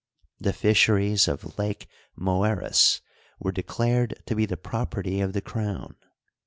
The fisheries of Lake Moeris were declared to be the property of the crown.